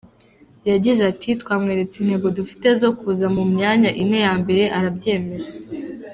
Yagize ati “Twamweretse intego dufite zo kuza mu myanya ine ya mbere arabyemera.